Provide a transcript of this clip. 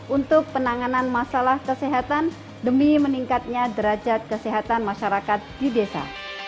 untuk penanganan masalah kesehatan demi meningkatnya derajat kesehatan masyarakat di desa